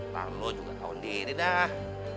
tau lu juga kawan diri dah